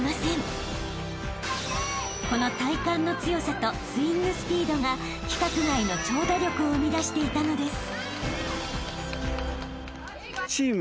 ［この体幹の強さとスイングスピードが規格外の長打力を生み出していたのです］